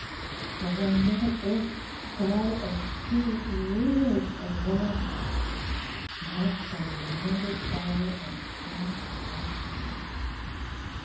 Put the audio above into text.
"For one minute earth, sky and sea reeled around me. The next, I remembered all, and turned and walked away.